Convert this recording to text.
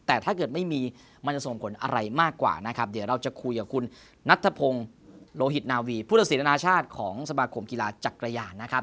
แต่ถ้าเกิดไม่มีมันจะส่งผลอะไรมากกว่านะครับเดี๋ยวเราจะคุยกับคุณนัทธพงศ์โลหิตนาวีผู้ตัดสินอนาชาติของสมาคมกีฬาจักรยานนะครับ